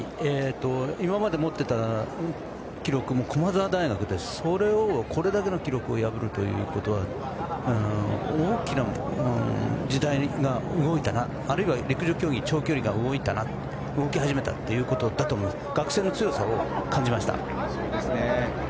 今まで持っていた記録も駒澤大学でそれをこれだけの記録を破るということは大きく時代が動いたなあるいは陸上競技、長距離が動き始めたということだと思います。